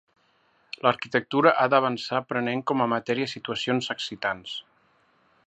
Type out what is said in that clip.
L'arquitectura ha d'avançar prenent com a matèria situacions excitants.